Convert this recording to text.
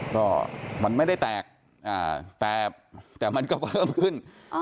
ก็มันไม่ได้แตกแต่มันก็เพิ่มขึ้น